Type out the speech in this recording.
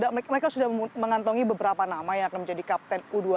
mereka sudah mengantongi beberapa nama yang akan menjadi kapten u dua puluh dua